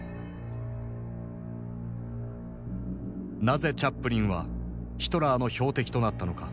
なぜチャップリンはヒトラーの標的となったのか。